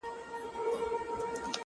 o هم داسي ستا دا گل ورين مخ ـ